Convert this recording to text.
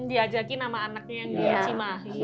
diajakin sama anaknya yang di cimahi